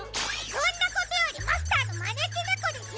そんなことよりマスターのまねきねこですよ